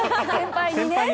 先輩にね。